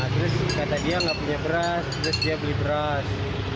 terus kata dia nggak punya beras terus dia beli beras